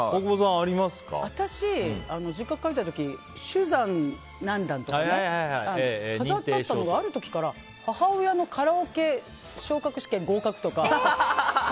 私、実家に帰った時珠算何段とか飾ってあったのが、ある時から母親のカラオケ昇格試験合格とか。